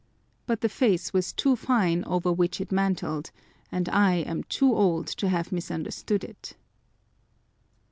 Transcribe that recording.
But the face was too fine over which it mantled, and I am too old to have misunderstood it